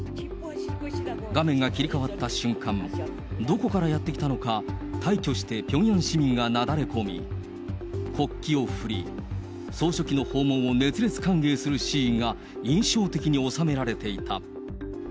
画面が切り替わった瞬間、どこからやって来たのか、大挙してピョンヤン市民がなだれ込み、国旗を振り、総書記の訪問を熱烈歓迎するシーンが、印象的に収められていた。